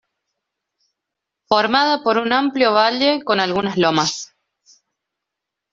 Formada por un amplio valle con algunas lomas.